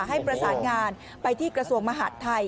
ให้ประสานงานไปที่กระทรวงมหาดไทย